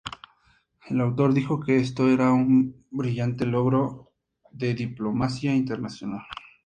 El autor dijo que esto era un "brillante logro de diplomacia internacional.